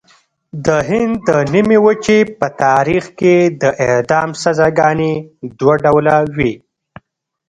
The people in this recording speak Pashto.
د هند د نیمې وچې په تاریخ کې د اعدام سزاګانې دوه ډوله وې.